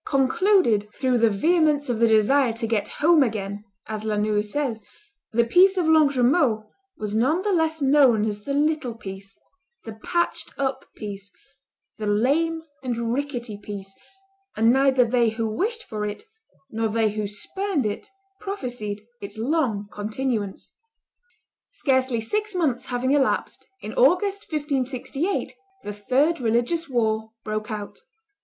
Concluded "through the vehemence of the desire to get home again," as La Noue says, the peace of Longjumeau was none the less known as the little peace, the patched up peace, the lame and rickety peace; and neither they who wished for it nor they who spurned it prophesied its long continuance. Scarcely six months having elapsed, in August, 1568, the third religious war broke out.